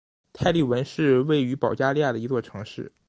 泰特文是位于保加利亚的一座城市。